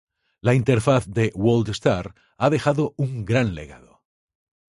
La interfaz de WordStar ha dejado un gran legado.